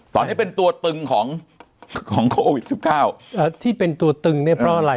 ตอนนี้เป็นตัวตึงของโควิด๑๙ที่เป็นตัวตึงเนี่ยเพราะอะไร